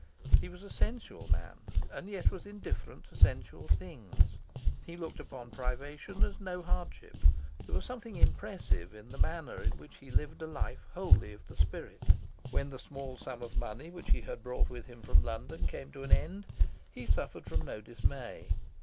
He was a sensual man, and yet was indifferent to sensual things. He looked upon privation as no hardship. There was something impressive in the manner in which he lived a life wholly of the spirit. When the small sum of money which he brought with him from London came to an end he suffered from no dismay.